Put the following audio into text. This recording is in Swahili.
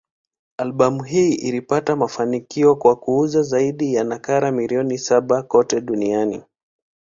Albamu hii ilipata mafanikio kwa kuuza zaidi ya nakala milioni saba kote duniani.